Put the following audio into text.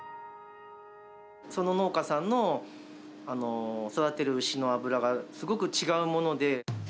その農家さんの育てる牛の脂がすごく違うもので。